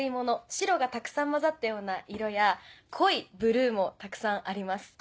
白がたくさん混ざったような色や濃いブルーもたくさんあります。